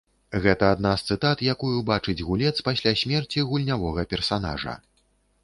Гэта адна з цытат, якую бачыць гулец пасля смерці гульнявога персанажа.